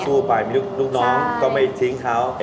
สู่ไปมีลูกน้อง